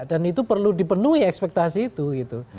dan itu perlu dipenuhi ekspektasi itu